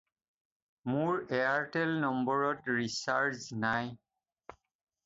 মোৰ এয়াৰটেল নম্বৰত ৰিচাৰ্জ নাই।